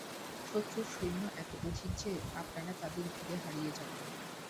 শত্রুর সৈন্য এত অধিক যে, আপনারা তাদের ভীড়ে হারিয়ে যাবেন।